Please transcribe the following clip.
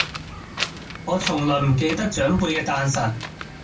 我從不記得長輩的誕辰